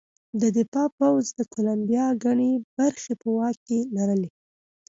د دفاع پوځ د کولمبیا ګڼې برخې په واک کې لرلې.